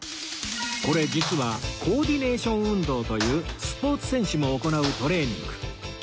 これ実はコーディネーション運動というスポーツ選手も行うトレーニング